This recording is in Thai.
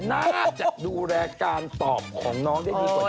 น่าจะดูแลการตอบของน้องได้ดีกว่านี้